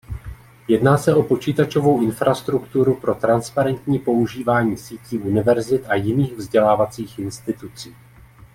Jedná se o počítačovou infrastrukturu pro transparentní používání sítí univerzit a jiných vzdělávacích institucí.